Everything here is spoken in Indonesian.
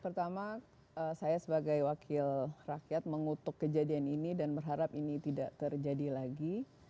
pertama saya sebagai wakil rakyat mengutuk kejadian ini dan berharap ini tidak terjadi lagi